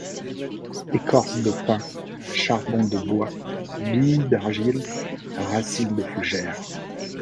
Écorce de pin, charbon de bois, billes d'argile, racines de fougères.